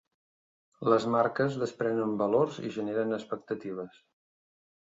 Les marques desprenen valors i generen expectatives.